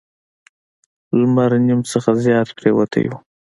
لمر نیم نه زیات پریوتی و.